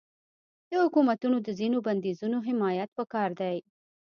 د حکومتونو د ځینو بندیزونو حمایت پکار دی.